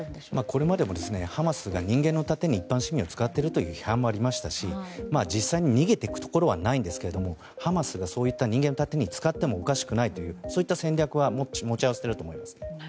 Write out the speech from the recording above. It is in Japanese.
これまでもハマスが人間の盾に一般市民を使っているという批判もありましたし実際に逃げていくところはないんですけどもハマスがそういった人間の盾に使ってもおかしくないというそういう戦略は持ち合わせていると思います。